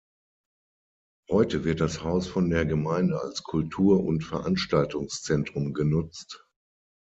Heute wird das Haus von der Gemeinde als Kultur- und Veranstaltungszentrum genutzt.